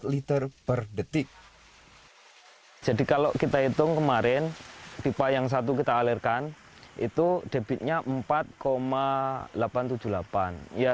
liter per detik jadi kalau kita hitung kemarin pipa yang satu kita alirkan itu debitnya empat delapan ratus tujuh puluh delapan ya